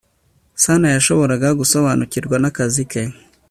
Sanaa yashoboraga gusobanukirwa n akazi ke